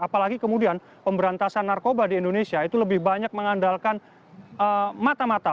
apalagi kemudian pemberantasan narkoba di indonesia itu lebih banyak mengandalkan mata mata